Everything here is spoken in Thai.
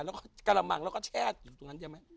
แล้วก็กระมังแล้วก็แช่อยู่ตรงนั้นใช่ไหม